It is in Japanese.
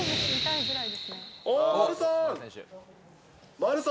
丸さん。